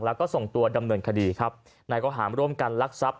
แล้วก็ส่งตัวดำเนินคดีครับนายก็หามร่วมกันลักทรัพย